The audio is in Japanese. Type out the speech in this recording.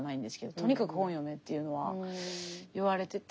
とにかく本読めというのは言われてて。